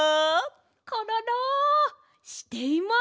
コロロしています！